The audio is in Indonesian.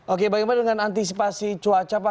oke bagaimana dengan antisipasi cuaca pak